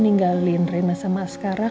ninggalin rena sama sekarang